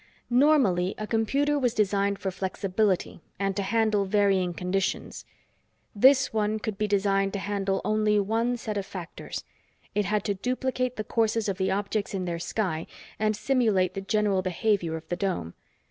Normally, a computer was designed for flexibility and to handle varying conditions. This one could be designed to handle only one set of factors. It had to duplicate the courses of the objects in their sky and simulate the general behavior of the dome.